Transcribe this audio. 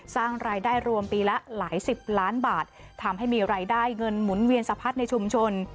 สร้างรายได้รวมปีละหลายสิบล้านบาททำให้มีรายได้เงินหมุนเวียนสะพัดในชุมชน